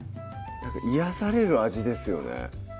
癒やされる味ですよね